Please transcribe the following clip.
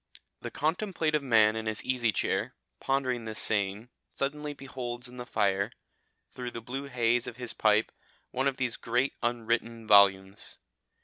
The contemplative man in his easy chair, pondering this saying, suddenly beholds in the fire, through the blue haze of his pipe, one of these great unwritten volumes.